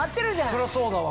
そりゃそうだわ。